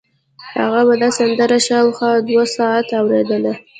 هغه به دا سندره شاوخوا دوه ساعته اورېده